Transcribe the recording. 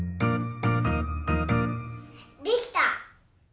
できた！